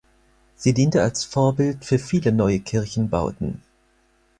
Sie diente als Vorbild für viele neue Kirchenbauten.